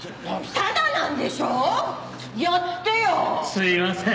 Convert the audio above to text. すいません。